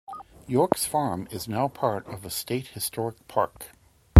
York's farm is now part of a state historic park.